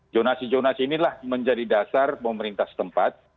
jonasi jonasi inilah menjadi dasar pemerintah setempat